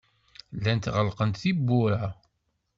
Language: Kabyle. Llant ɣelqent tewwura.